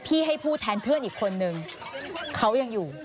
ให้ผู้แทนเพื่อนอีกคนนึงเขายังอยู่